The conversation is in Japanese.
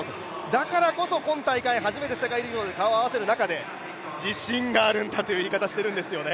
だからこそ今大会初めて世界陸上で顔を合わせる中で自信があるんだという言い方してるんですよね。